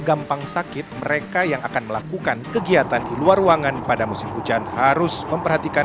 gampang sakit mereka yang akan melakukan kegiatan di luar ruangan pada musim hujan harus memperhatikan